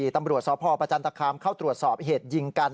ตำรวจสพประจันตคามเข้าตรวจสอบเหตุยิงกัน